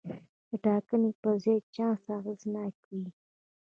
د ټاکنې پر ځای چانس اغېزناک وي.